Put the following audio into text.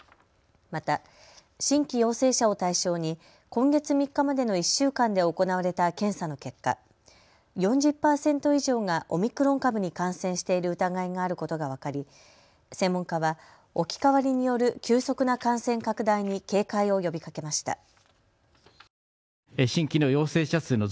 また、新規陽性者を対象に今月３日までの１週間で行われた検査の結果、４０％以上がオミクロン株に感染している疑いがあることが分かり専門家は置き換わりによる急速な感染拡大に警戒を呼びかけました。